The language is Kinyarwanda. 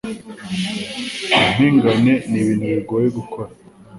Impingane ni Ibintu bigoye gukora.